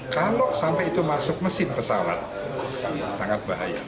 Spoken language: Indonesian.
kalau sampai itu masuk mesin pesawat sangat bahaya